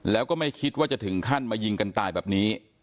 แล้วก็ไม่คิดว่าจะถึงขั้นมายิงกันตายแบบนี้